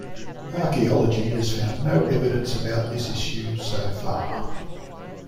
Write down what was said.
Archeology has found no evidence about this issue, so far.